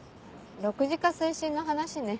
６次化推進の話ね。